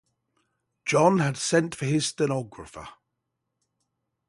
John had sent for his stenographer.